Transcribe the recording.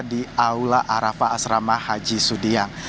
di aula arafah asrama haji sudiang